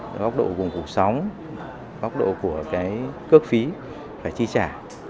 góc độ của vùng phù sống góc độ của cước phí phải chi trả